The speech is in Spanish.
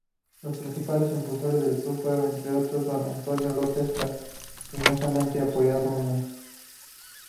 Los principales impulsores del club fueron, entre otros, don Antonio López, cariñosamente apodado Mr.